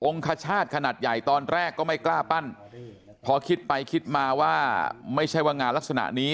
คชาติขนาดใหญ่ตอนแรกก็ไม่กล้าปั้นพอคิดไปคิดมาว่าไม่ใช่ว่างานลักษณะนี้